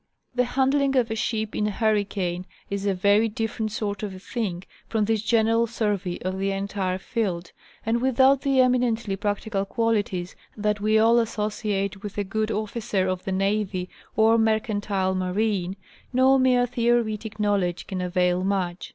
The handling of a ship in a hurricane is a very different sort of a thing from this general survey of the entire field, and, with out the eminently practical qualities that we all associate with a good officer of the navy or mercantile marine, no mere theoretic knowledge can avail much.